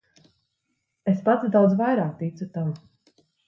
Es pats daudz vairāk ticu tam.